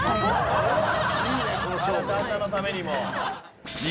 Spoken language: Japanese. あら旦那のためにも。